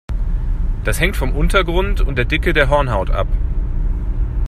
Das hängt vom Untergrund und der Dicke der Hornhaut ab.